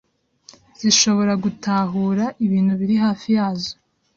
zishobora gutahura ibintu biri hafi yazo